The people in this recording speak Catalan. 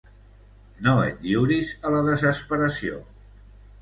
No et lliuris a la desesperació.